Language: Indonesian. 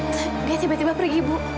tidak dia tiba tiba pergi bu